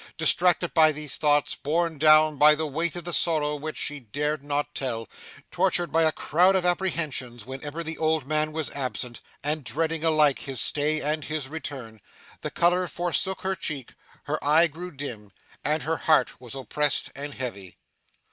Distracted by these thoughts, borne down by the weight of the sorrow which she dared not tell, tortured by a crowd of apprehensions whenever the old man was absent, and dreading alike his stay and his return, the colour forsook her cheek, her eye grew dim, and her heart was oppressed and heavy.